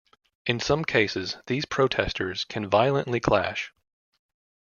In some cases, these protesters can violently clash.